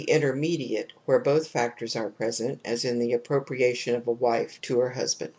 intermediate, where both factors are present, as in the appropriation of a wife to her husband.